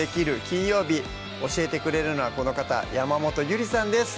金曜日」教えてくれるのはこの方山本ゆりさんです